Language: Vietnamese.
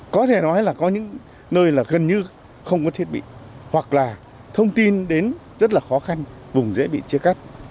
có thể nói là có những nơi là gần như không có thiết bị hoặc là thông tin đến rất là khó khăn vùng dễ bị chia cắt